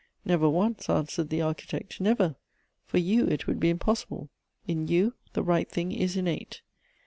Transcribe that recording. "" Never once," answered the Architect, " never. For you it would be impossible. In you the right thing is innate."